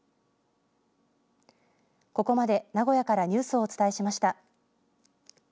ここまで名古屋からニュースをお伝えしました。